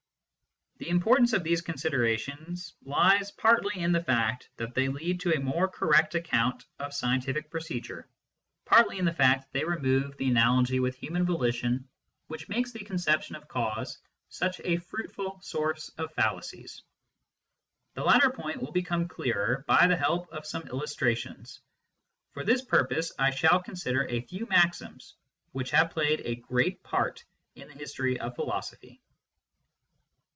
The importance of these considerations lies partly in the fact that they le^,d to a more correct account of scientific procedure* partly in the fact that they remove ON THE NOTION OF CAUSE 189 the analogy with human volition which makes the con ception of cause such a fruitful source of fallacies. The latter point will become clearer by the help of some illustrations. For this purpose I shall consider a few maxims which have played a great part in the history of philosophy.